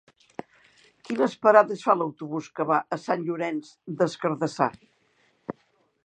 Quines parades fa l'autobús que va a Sant Llorenç des Cardassar?